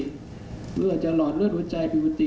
หรืออาจจะหลอดเลือดหัวใจเป็นบุติ